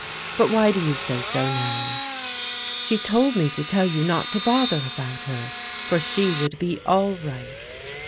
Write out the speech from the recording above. But why do you say so now ?"" She told me to tell you not to bother about her, for she would be all right."